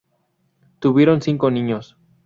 Tuvieron cinco niños.